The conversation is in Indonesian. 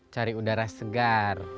cari udara segar